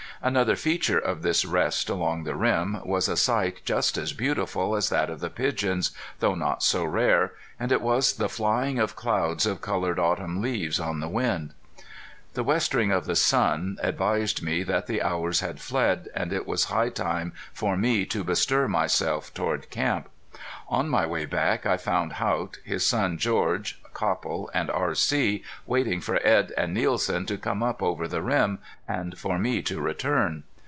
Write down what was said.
Another feature of this rest along the rim was a sight just as beautiful as that of the pigeons, though not so rare; and it was the flying of clouds of colored autumn leaves on the wind. The westering of the sun advised me that the hours had fled, and it was high time for me to bestir myself toward camp. On my way back I found Haught, his son George, Copple and R.C. waiting for Edd and Nielsen to come up over the rim, and for me to return.